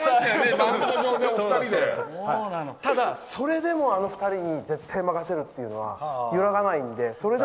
ただ、それでもあの２人に絶対任せるというのは揺らがないので。